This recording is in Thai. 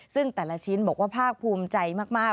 ซึ่งแต่ละชิ้นบอกว่าภาคภูมิใจมาก